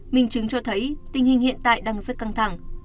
mình chứng cho thấy tình hình hiện tại đang rất căng thẳng